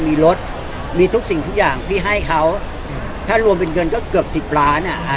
มีรถมีทุกสิ่งทุกอย่างที่ให้เขาถ้ารวมเป็นเงินก็เกือบสิบล้านอ่ะอ่า